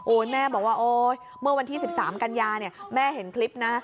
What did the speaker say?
โอ๊ยแม่บอกว่าเมื่อวันที่๑๓กันยาแม่เห็นคลิปนะ